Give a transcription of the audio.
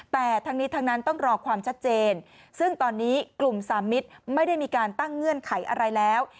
แต่ทั้งนี้ทั้งนั้นต้องรอความชัดเจนซึ่งตอนนี้กลุ่มสามมิตรไม่ได้มีการตั้งเงื่อนไขอะไรแล้ว